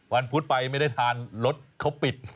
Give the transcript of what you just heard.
พุธไปไม่ได้ทานรถเขาปิด